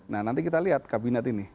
nah nanti kita lihat kabinet ini